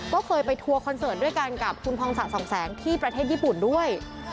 ก็เคยไปทัวร์คอนเสิร์ตด้วยกันกับคุณพองศะสองแสงที่ประเทศญี่ปุ่นด้วย